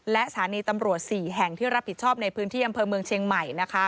และสถานีตำรวจ๔แห่งที่รับผิดชอบในพื้นที่อำเภอเมืองเชียงใหม่